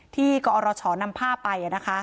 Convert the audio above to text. ที่ก็อรชอนำภาพไป